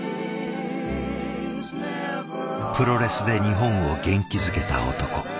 プロレスで日本を元気づけた男。